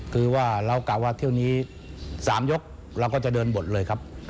คือว่าเรากะว่าเที่ยวนี้๓ยกเราก็จะเดินบทเลยครับ